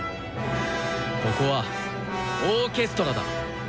ここはオーケストラだ。